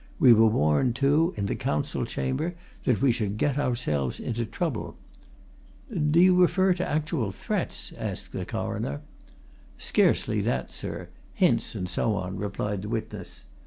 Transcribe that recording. We were warned too, in the Council Chamber, that we should get ourselves into trouble " "Do you refer to actual threats?" asked the Coroner. "Scarcely that, sir hints, and so on," replied the witness.